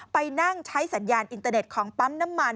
ไปนั่งใช้สัญญาณอินเตอร์เน็ตของปั๊มน้ำมัน